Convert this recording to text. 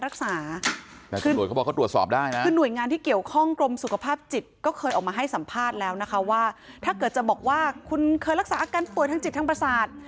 คุณเคยรักษาอาการป่วยทั้งจิตทั้งประสาท